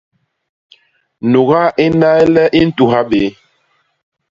Nuga i nnay le i ntuha béé.